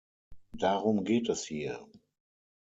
Darum geht es hier!